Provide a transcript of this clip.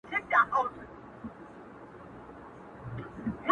قدم اخله، قدم کيږده، قدم واخله~